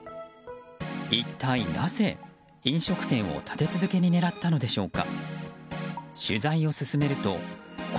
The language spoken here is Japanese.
一体なぜ飲食店を立て続けに狙ったのでしょうか。